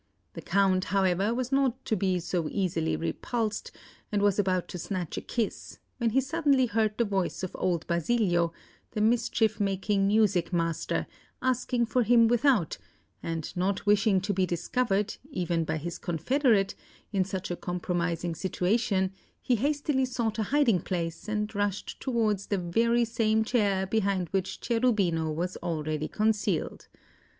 The Count, however, was not to be so easily repulsed, and was about to snatch a kiss, when he suddenly heard the voice of old Basilio, the mischief making music master, asking for him without; and not wishing to be discovered, even by his confederate, in such a compromising situation, he hastily sought a hiding place, and rushed towards the very same chair behind which Cherubino was already concealed.